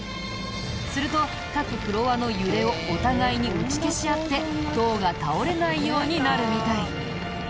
すると各フロアの揺れをお互いに打ち消し合って塔が倒れないようになるみたい。